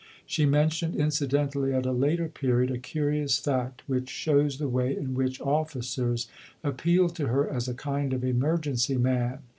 She mentioned incidentally at a later period a curious fact, which shows the way in which officers appealed to her as a kind of emergency man.